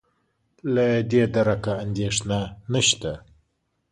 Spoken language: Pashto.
له دې درکه اندېښنه نشته.